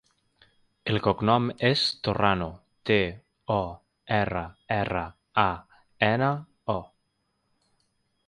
El cognom és Torrano: te, o, erra, erra, a, ena, o.